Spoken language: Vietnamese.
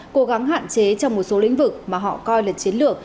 cố gắng hạn chế trong một số lĩnh vực mà họ coi là chiến lược